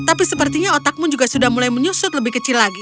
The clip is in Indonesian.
tapi sepertinya otak pun juga sudah mulai menyusut lebih kecil lagi